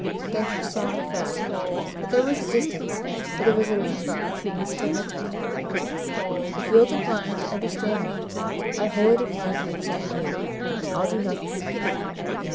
Densher saw in fact, but there was a distance for their visitor to cross, and he still had time. "If you decline to understand me I wholly decline to understand you. I'll do nothing."